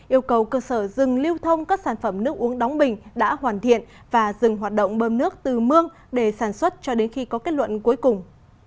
yêu cầu cơ sở dừng lưu thông các sản phẩm nước uống đóng bình đã hoàn thiện và dừng hoạt động bơm nước từ mương để sản xuất cho đến khi có kết luận cuối cùng